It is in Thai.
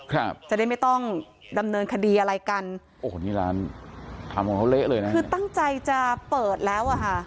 ครับจะได้ไม่ต้องดำเนินคดีอะไรกันโอ้โหนี่ร้านทำของเขาเละเลยนะคือตั้งใจจะเปิดแล้วอ่ะค่ะ